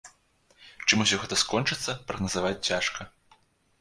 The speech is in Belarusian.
Чым усё гэта скончыцца, прагназаваць цяжка.